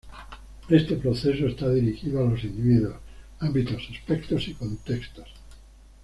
Este proceso está dirigido a los individuos, ámbitos, aspectos y contextos.